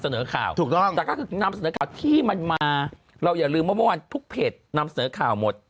เสนอข่าวว่าที่มันมาเราอย่าลืมวันทุกเพจนำเสนอข่าวหมด